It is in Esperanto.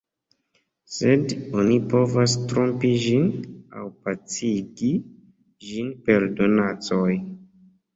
Sed oni povas trompi ĝin aŭ pacigi ĝin per donacoj.